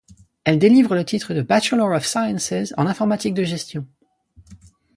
Elle délivre le titre de Bachelor of Sciences en informatique de gestion.